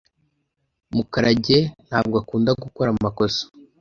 Mukarage ntabwo akunda gukora amakosa.